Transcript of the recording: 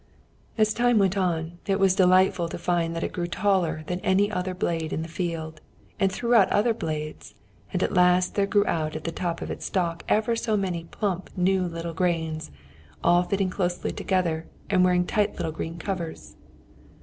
As time went on, it was delighted to find that it grew taller than any other blade in the field, and threw out other blades; and at last there grew out at the top of its stalk ever so many plump, new little grains, all fitting closely together, and wearing tight little green covers.